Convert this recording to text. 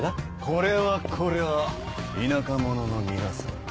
これはこれは田舎者の皆さん。